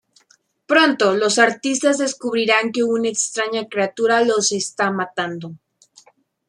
Pronto los artistas descubrirán que una extraña criatura los está matando.